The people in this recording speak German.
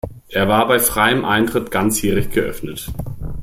Er war bei freiem Eintritt ganzjährig geöffnet.